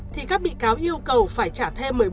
thì các bị cáo yêu cầu phải trả thêm